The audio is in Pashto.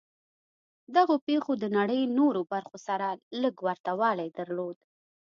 دغو پېښو د نړۍ نورو برخو سره لږ ورته والی درلود